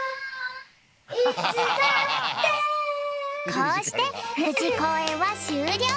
こうしてぶじこうえんはしゅうりょう。